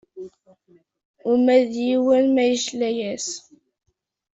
Uma d yiwen ma yesla-yas.